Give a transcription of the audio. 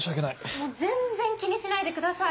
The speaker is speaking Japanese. もう全然気にしないでください。